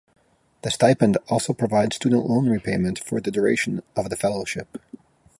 The stipend also provides student loan repayment for the duration of the fellowship.